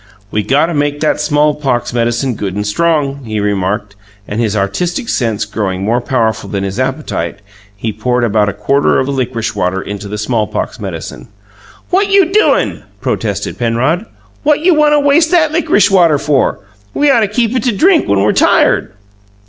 "We got to make that smallpox medicine good and strong!" he remarked; and, his artistic sense growing more powerful than his appetite, he poured about a quarter of the licorice water into the smallpox medicine. "What you doin'?" protested Penrod. "What you want to waste that lickrish water for? We ought to keep it to drink when we're tired."